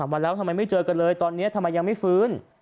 วันแล้วทำไมไม่เจอกันเลยตอนนี้ทำไมยังไม่ฟื้น